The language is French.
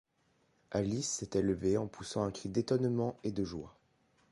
Alice s’était levée en poussant un cri d’étonnement et de joie.